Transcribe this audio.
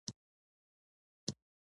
د غریبۍ او فقر سره مبارزه کوي.